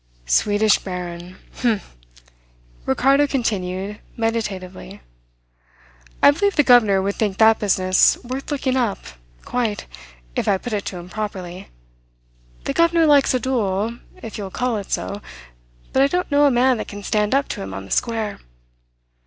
"Swedish baron h'm!" Ricardo continued meditatively. "I believe the governor would think that business worth looking up, quite, if I put it to him properly. The governor likes a duel, if you will call it so; but I don't know a man that can stand up to him on the square.